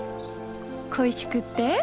恋しくて？